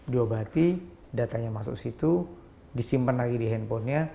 diobati datanya masuk situ disimpan lagi di handphonenya